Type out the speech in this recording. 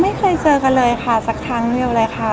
ไม่เคยเจอกันเลยค่ะสักครั้งเดียวเลยค่ะ